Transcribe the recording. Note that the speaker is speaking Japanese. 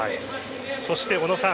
そして小野さん